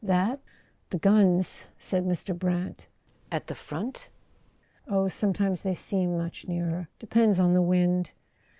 "That? The guns " said Mr. Brant. "At the front?" "Oh, sometimes they seem much nearer. Depends on the wind."